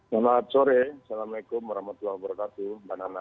selamat sore assalamualaikum wr wb